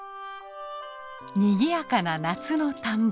にぎやかな夏の田んぼ。